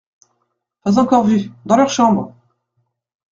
Pas encore vus !… dans leurs chambres !…